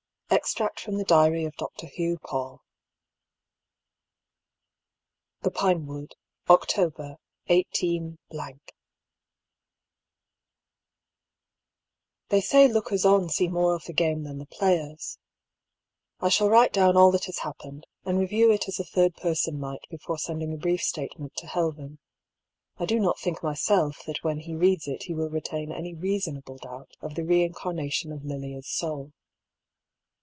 EXTEACT FROM THE DIABY OF DR. HUGH PAULL. T?ie Pinewood, October ^ 18—, They say lookers on see more of the game than the players. I shall write down all that has happened, and review it as a third person might before sending a brief statement to Helyen. I do not think myself that when he reads it he will retain any reasonable doubt of the re incarnation of Lilia's soul.